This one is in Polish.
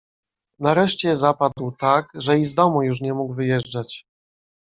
"Nareszcie zapadł tak, że i z domu już nie mógł wyjeżdżać."